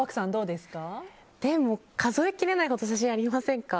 でも数えきれないほど写真ありませんか？